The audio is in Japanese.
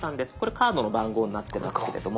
カードの番号になってますけれども。